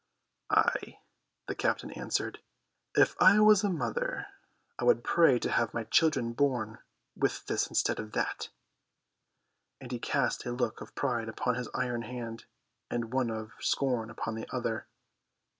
"Ay," the captain answered, "if I was a mother I would pray to have my children born with this instead of that," and he cast a look of pride upon his iron hand and one of scorn upon the other.